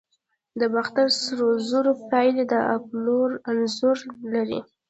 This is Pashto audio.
د باختر سرو زرو پیالې د اپولو انځور لري